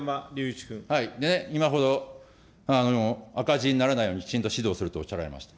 今ほど赤字にならないようにきちんと指導するとおっしゃられました。